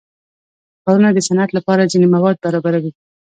ښارونه د صنعت لپاره ځینې مواد برابروي.